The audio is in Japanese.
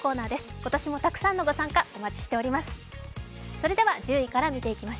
今年もたくさんのご参加、お待ちしています。